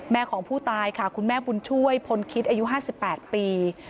ของผู้ตายค่ะคุณแม่บุญช่วยพลคิดอายุ๕๘ปี